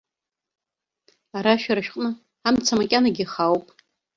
Ара, шәара шәҟны, амца макьанагьы ихаауп.